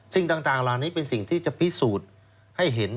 สิ่งต่างเหล่านี้เป็นสิ่งที่จะพิสูจน์ให้เห็น